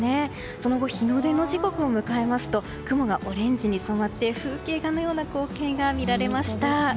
その後日の出の時刻を迎えますと雲がオレンジに染まって風景画のような光景が見られました。